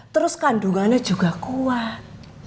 terus kandungannya juga kuat